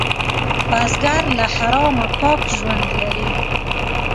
بزګر له حرامه پاک ژوند لري